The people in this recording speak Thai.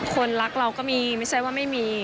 คนรักเราก็มีไม่ใช่ว่าไม่มี